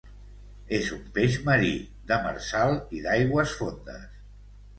És un peix marí, demersal i d'aigües fondes.